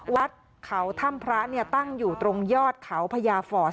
วัดเขาถ้ำพระตั้งอยู่ตรงยอดเขาพญาฟอร์ด